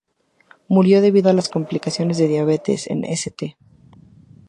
Murió debido a las complicaciones de la diabetes en St.